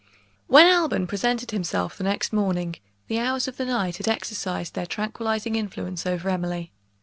When Alban presented himself the next morning, the hours of the night had exercised their tranquilizing influence over Emily.